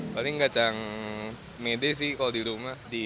paling kacang mede sih kalau di rumah